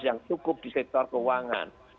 yang cukup di sektor keuangan